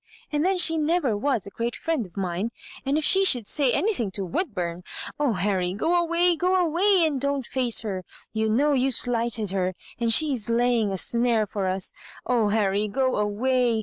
And then she never was a great friend of mine — and if she should say anything to Woodburn I Oh, Harry, go away, go away, and don't fjAoe her. You know you lighted her, and she is laying a snare for us. Oh, Harry, go away!